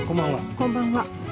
こんばんは。